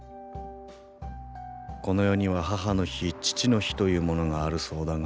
この世には母の日父の日というものがあるそうだが。